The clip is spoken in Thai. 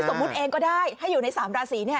สมมุติเองก็ได้ให้อยู่ใน๓ราศีเนี่ย